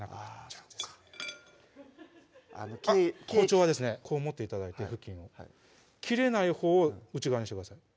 そっか包丁はですねこう持って頂いて布巾を切れないほうを内側にしてください